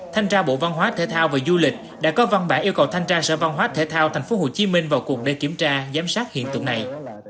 thanh tra bộ văn hóa thể thao và du lịch đã có văn bản yêu cầu thanh tra sở văn hóa thể thao tp hcm vào cuộc đời kiểm tra giám sát hiện tượng này